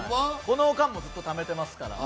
この間もずっとためてますから。